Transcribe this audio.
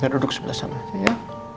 kita duduk sebelah sana